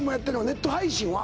ネット配信は？